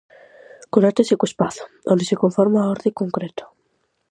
Conéctase co espazo, onde se conforma a orde concreta.